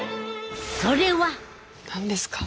それは。何ですか？